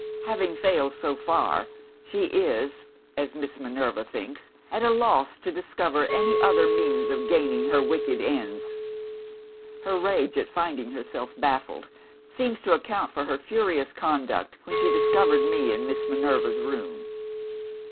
Having failed so far, she is (as Miss Minerva thinks) at a loss to discover any other means of gaining her wicked ends. Her rage at finding herself baffled seems to account for her furious conduct, when she discovered me in Miss Minerva's room.